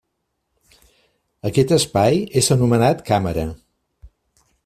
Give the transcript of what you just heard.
Aquest espai és anomenat càmera.